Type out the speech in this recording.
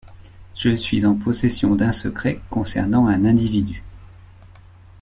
Je suis en posession d’un secret consernant un individu.